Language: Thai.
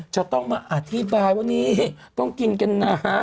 จะต้องมาอธิบายว่านี่ต้องกินกันนะ